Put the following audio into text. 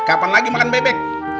kapan lagi makan bebek